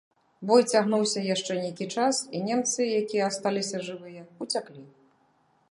Бой цягнуўся яшчэ нейкі час, і немцы, якія асталіся жывыя, уцяклі.